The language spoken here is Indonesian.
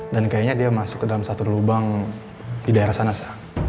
dan kayaknya dia masuk ke dalam satu lubang di daerah sana sa